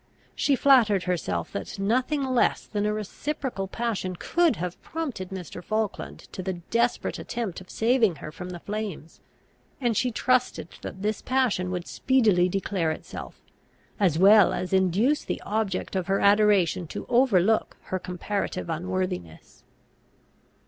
She flattered herself that nothing less than a reciprocal passion could have prompted Mr. Falkland to the desperate attempt of saving her from the flames; and she trusted that this passion would speedily declare itself, as well as induce the object of her adoration to overlook her comparative unworthiness.